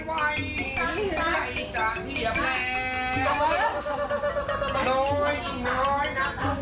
สวัสดีครับคุณผู้ชมครับ